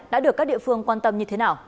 đã được các địa phương quan tâm như thế nào